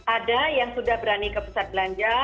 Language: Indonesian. ada yang sudah berani ke pusat belanja